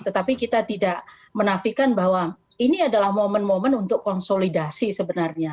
tetapi kita tidak menafikan bahwa ini adalah momen momen untuk konsolidasi sebenarnya